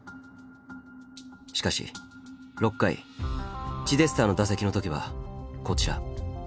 しかし６回チデスターの打席の時はこちら。